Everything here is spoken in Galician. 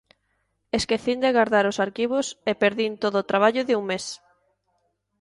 Esquecín de gardar os arquivos e perdín todo o traballo de un mes